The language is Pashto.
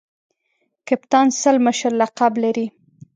کپتان سل مشر لقب لري.